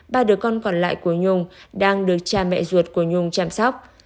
ba đứa con còn lại của nhung đang được cha mẹ ruột của nhung chăm sóc